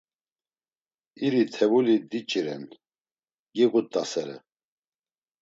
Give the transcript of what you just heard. İri tevuli diç̌iren, giğut̆asere.